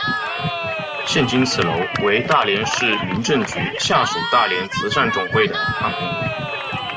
现今此楼为大连市民政局下属大连慈善总会的办公楼。